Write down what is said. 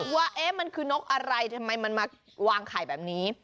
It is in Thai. ว่ามันคือนกอะไรทำไมมันมาวางไข่แบบนี้